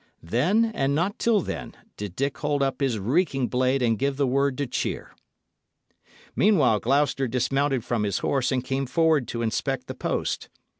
Then, and not till then, did Dick hold up his reeking blade and give the word to cheer. Meanwhile Gloucester dismounted from his horse and came forward to inspect the post.